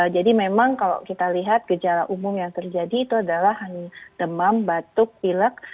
jadi memang kalau kita lihat gejala umum yang terjadi itu adalah demam batuk pilek